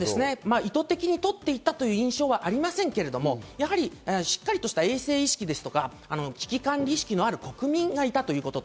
意図的に取っていたという印象はありませんけど、やはりしっかりとした衛生意識ですとか、危機管理意識のある国民がいたということ。